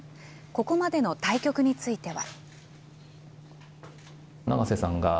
ここまでの対局については。